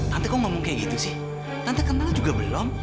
nanti kok ngomong kayak gitu sih tante kental juga belum